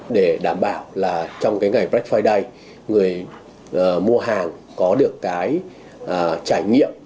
để đảm bảo là trong cái ngày black friday người mua hàng có được cái trải nghiệm